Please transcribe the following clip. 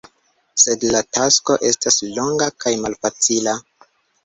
Sed la tasko estas longa kaj malfacila.